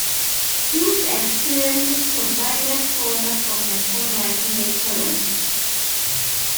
These experiences provided fodder for her songwriting later on.